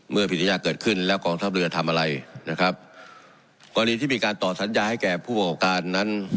ผิดสัญญาเกิดขึ้นแล้วกองทัพเรือทำอะไรนะครับกรณีที่มีการต่อสัญญาให้แก่ผู้ประกอบการนั้น